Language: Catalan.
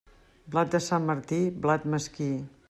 Blat de Sant Martí, blat mesquí.